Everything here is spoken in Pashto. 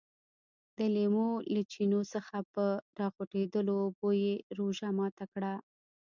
د لیمو له چینو څخه په راخوټېدلو اوبو یې روژه ماته کړه.